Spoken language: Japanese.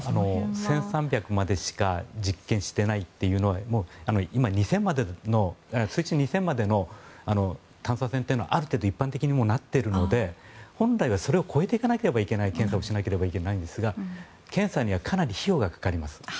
１３００ｍまでしか実験していないというのは今２０００ｍまでの探査船というのはある程度一般的になっているので本来はそれを超えていかなければならない検査をしなければならないんですが検査にはかなり費用がかかります。